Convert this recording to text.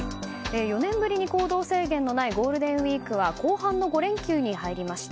４年ぶりに行動制限のないゴールデンウィークは後半の５連休に入りました。